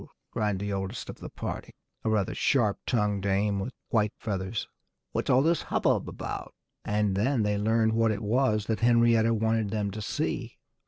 cried the oldest of the party, a rather sharp tongued dame with white feathers. "What's all this hubbub about?" And then they learned what it was that Henrietta wanted them to see.